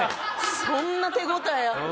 そんな手応えあって。